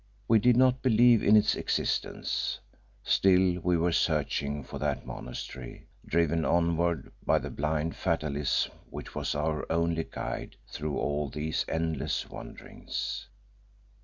We did not believe in its existence, still we were searching for that monastery, driven onward by the blind fatalism which was our only guide through all these endless wanderings.